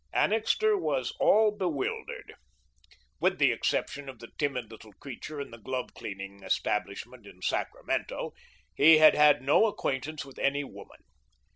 Annixter was all bewildered. With the exception of the timid little creature in the glove cleaning establishment in Sacramento, he had had no acquaintance with any woman.